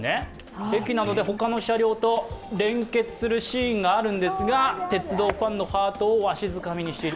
駅などで他の車両と連結するシーンがあるんですが、鉄道ファンの心をわしづかみにしている。